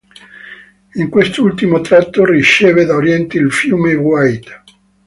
In quest'ultimo tratto riceve da oriente il fiume White.